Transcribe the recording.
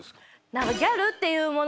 何かギャルっていうもの